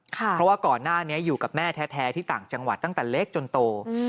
เพราะว่าก่อนหน้านี้อยู่กับแม่แท้ที่ต่างจังหวัดตั้งแต่เล็กจนโต